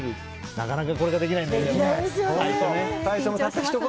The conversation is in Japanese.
なかなかこれができないんだよね。